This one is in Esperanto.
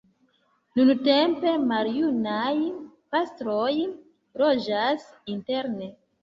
Nuntempe maljunaj pastroj loĝas interne.